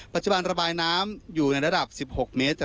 ปัจจุบันระบายน้ำอยู่ในระดับ๑๖เมตร